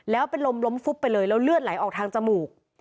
แล้วเป็นลมล้มฟุบไปเลยแล้วเลือดไหลออกทางจมูก